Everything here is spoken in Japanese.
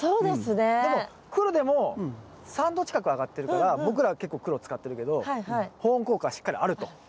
でも黒でも３℃近く上がってるから僕らは結構黒使ってるけど保温効果はしっかりあると。